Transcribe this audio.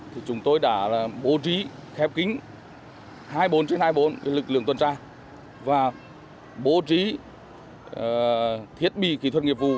thì chúng tôi đã bố trí khép kính hai mươi bốn trên hai mươi bốn lực lượng tuần tra và bố trí thiết bị kỹ thuật nghiệp vụ